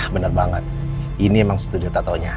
benar banget ini emang studio tatonya